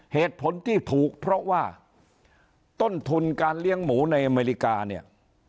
เหตุผลที่ถูกเพราะว่าต้นทุนการเลี้ยงหมูในอเมริกาเนี่ย